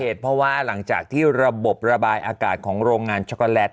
เพราะว่าหลังจากที่ระบบระบายอากาศของโรงงานช็อกโกแลต